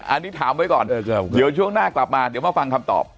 อันนี้ถามไว้ก่อนเดี๋ยวช่วงหน้ากลับมาเดี๋ยวมาฟังคำตอบ